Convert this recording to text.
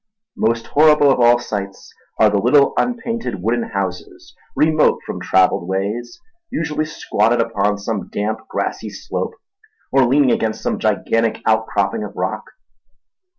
Most horrible of all sights are the little unpainted wooden houses remote from travelled ways, usually squatted upon some damp, grassy slope or leaning against some gigantic outcropping of rock.